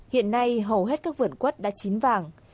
hiện nay hầu hết các vườn quất đã chín vàng